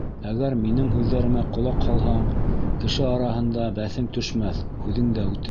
Әгәр минең һүҙҙәремә ҡолаҡ һалһаң, кеше араһында бәҫең төшмәҫ, һүҙең дә үтер.